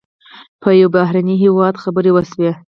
په یو بهرني هېواد خبرې وشوې.